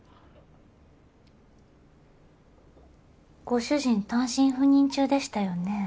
ご主人単身赴任中でしたよね？